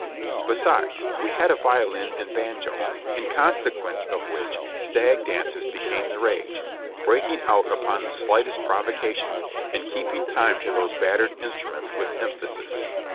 Besides, we had a violin and banjo, in consequence of which stag dances became the rage, breaking out upon the slightest provocation, and keeping time to those battered instruments with emphasis.